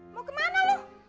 mau kemana lu